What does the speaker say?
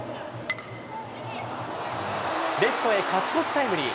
レフトへ勝ち越しタイムリー。